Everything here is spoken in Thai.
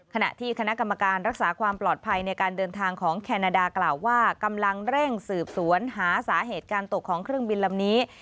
ขณะที่คณะกรรมการรักษาความปลอดภัยในการเดินทางของแคนาดากล่าวว่ากำลังเร่งสืบสวนหาสาเหตุการตกของเครื่องบินลำนี้